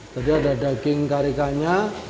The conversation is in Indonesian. jadi ada daging karikanya